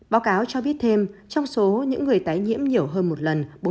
báo cáo cho biết thêm trong số những người tái nhiễm nhiều hơn một lần